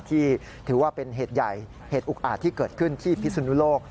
ที่ถือว่าเป็นเหตุใหญ่เหตุอุกอาจที่เกิดขึ้นที่พิศนุโลก